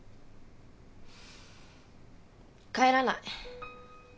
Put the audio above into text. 帰らない。